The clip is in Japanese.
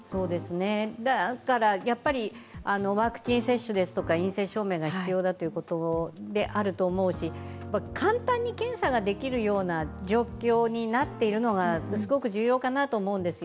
だからワクチン接種ですとか、陰性証明が必要であるということだと思うし、簡単に検査ができるような状況になっているのがすごく重要かなと思うんです。